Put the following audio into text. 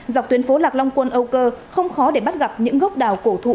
dọc tuyến phố lạc long quân âu cơ không khó để bắt gặp những gốc đào cổ thụ